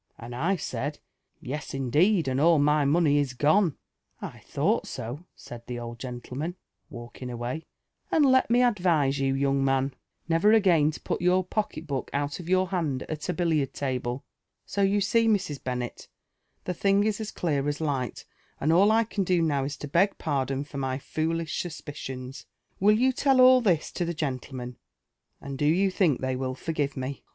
^ and I said, ' Yes, indeed, and all my mooey is gone/ ' I Ihoiij^ht so,* said the old gentleman, walking away, ' and let me advise you, young man, never again to put your pocket book out of your hand at a billiard table/ So you see, Mrs. fiennet, the thing is as clear as Hght, and all I can do now is to beg pardon for ony foolish «u$piciona« Will you tell all this to the gentlemen ?— and do you think (h^y will forgive me